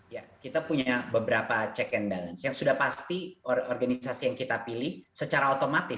ya kita punya beberapa check and balance yang sudah pasti organisasi yang kita pilih secara otomatis